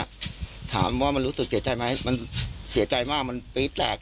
อ่ะถามว่ามันรู้สึกเดี๋ยวใจไหมมันเดี๋ยวใจมากมันแปลก